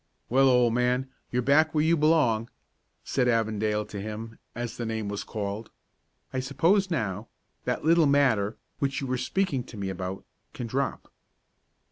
"Well, old man, you're back where you belong," said Avondale to him, as the name was called. "I suppose now, that little matter, which you were speaking to me about, can drop?"